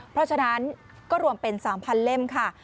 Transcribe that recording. เพราะฉะนั้นก็รวมเป็น๓๐๐เล่มค่ะ